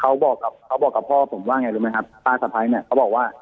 เขาบอกกับพ่อผมว่าไงรู้ไหมครับป้าสาภัยเนี่ยเขาบอกว่า